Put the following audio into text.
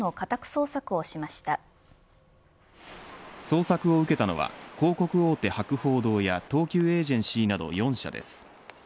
捜索を受けたのは広告大手、博報堂や東急エージェンシーなど４社です。